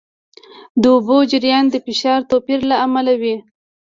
د اوبو جریان د فشار توپیر له امله وي.